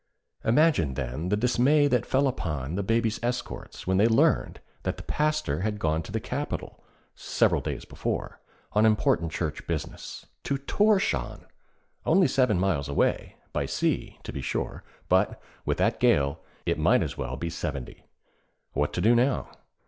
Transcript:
Imagine, then, the dismay that fell upon the Baby's escorts when they learned that the Pastor had gone to the capital, several days before, on important church business. To Thorshavn! Only seven miles away, by sea, to be sure, but, with that gale, it might as well be seventy. What to do now?